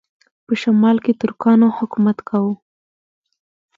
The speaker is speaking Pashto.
په شمال کې ترکانو حکومت کاوه.